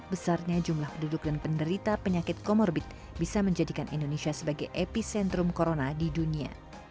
besarnya jumlah penduduk dan penderita penyakit komorbit bisa menjadikan indonesia sebagai epicentrum corona di dunia